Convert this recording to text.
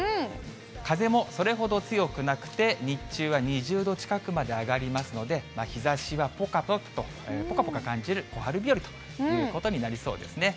風もそれほど強くなくて、日中は２０度近くまで上がりますので、日ざしはぽかぽか感じる小春日和ということになりそうですね。